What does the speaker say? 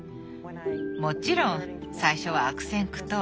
もちろん最初は悪戦苦闘。